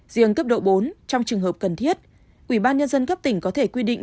riêng cấp độ bốn trong trường hợp cần thiết ủy ban nhân dân cấp tỉnh có thể quy định